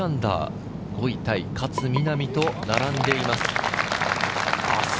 ５位タイ、勝みなみと並んでいます。